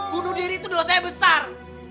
bunuh diri itu dosanya besar